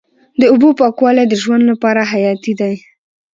د اوبو پاکوالی د ژوند لپاره حیاتي دی.